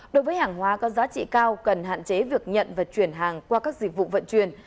đối với hàng hóa có giá trị cao cần hạn chế việc nhận và chuyển hàng qua các dịch vụ vận chuyển